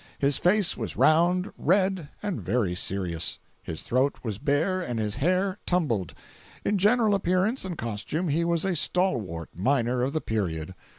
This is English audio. His face was round, red, and very serious; his throat was bare and his hair tumbled; in general appearance and costume he was a stalwart miner of the period.